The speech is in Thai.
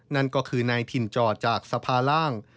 นั่นก็คือนายทินจจากสภาร่าง